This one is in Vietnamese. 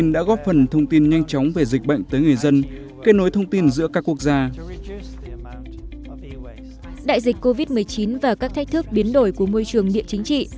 đại dịch covid một mươi chín và các thách thức biến đổi của môi trường địa chính trị